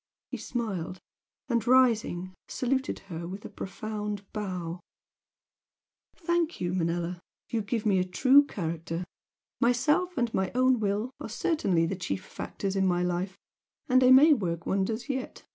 He smiled, and, rising, saluted her with a profound bow. "Thank you, Manella! You give me a true character! Myself and my own will are certainly the chief factors in my life and they may work wonders yet!